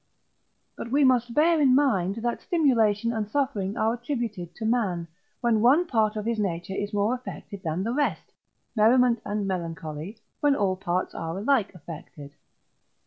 But we must bear in mind, that stimulation and suffering are attributed to man, when one part of his nature is more affected than the rest, merriment and melancholy, when all parts are alike affected.